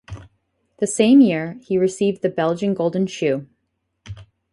The same year, he received the Belgian Golden Shoe.